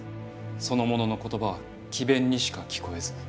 その者の言葉は詭弁にしか聞こえず。